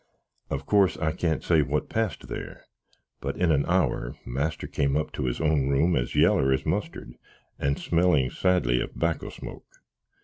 Of course I can't say what past there; but in an hour master kem up to his own room as yaller as mustard, and smellin sadly of backo smoke.